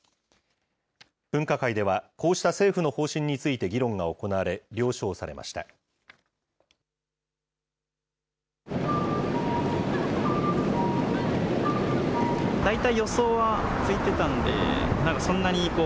分科会では、こうした政府の方針について議論が行われ、了承されました。